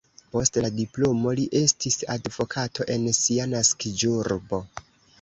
Post la diplomo li estis advokato en sia naskiĝurbo.